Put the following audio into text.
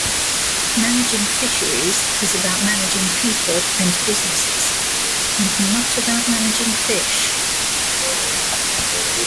Managing fisheries is about managing people and businesses, and not about managing fish.